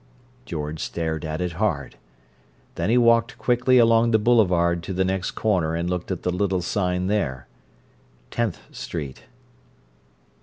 George stared at it hard. Then he walked quickly along the boulevard to the next corner and looked at the little sign there. "Tenth Street."